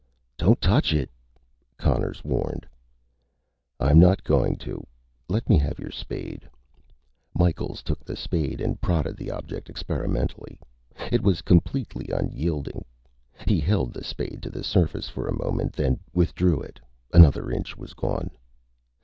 "Don't touch it," Conners warned. "I'm not going to. Let me have your spade." Micheals took the spade and prodded the object experimentally. It was completely unyielding. He held the spade to the surface for a moment, then withdrew it. Another inch was gone.